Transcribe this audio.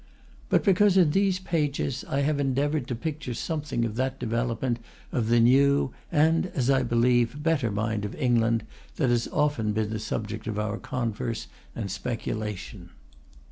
But because in these pages I have endeavoured to picture something of that development of the new and, as I believe, better mind of England, that has often been the subject of our converse and speculation.